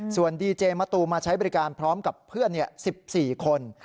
ส่วนดีเจมะตูมาใช้บริการพร้อมกับเพื่อน๑๔คน